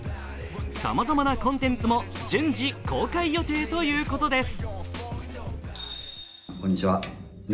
さまざまなコンテンツも順次公開予定ということです。